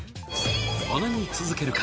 姉に続けるか？